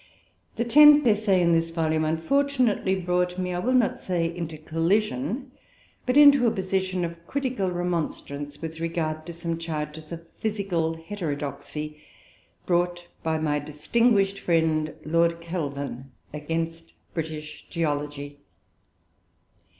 The tenth essay in this volume unfortunately brought me, I will not say into collision, but into a position of critical remonstrance with regard to some charges of physical heterodoxy, brought by my distinguished friend Lord Kelvin, against British Geology.